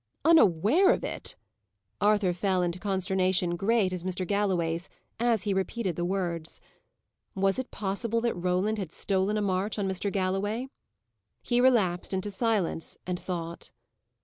"Unaware of it!" Arthur fell into consternation great as Mr. Galloway's, as he repeated the words. Was it possible that Roland had stolen a march on Mr. Galloway? He relapsed into silence and thought.